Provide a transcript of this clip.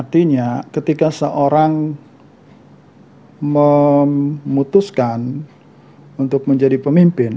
artinya ketika seorang memutuskan untuk menjadi pemimpin